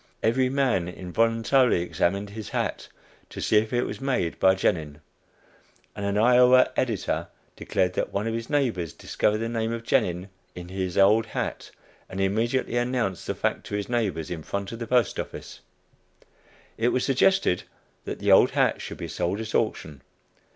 Every man involuntarily examined his hat, to see if it was made by Genin; and an Iowa editor declared that one of his neighbors discovered the name of Genin in his old hat and immediately announced the fact to his neighbors in front of the Post Office. It was suggested that the old hat should be sold at auction.